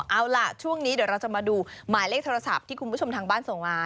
เอาล่ะช่วงนี้เดี๋ยวเราจะมาดูหมายเลขโทรศัพท์ที่คุณผู้ชมทางบ้านส่งมา